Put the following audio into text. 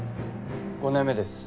５年目です。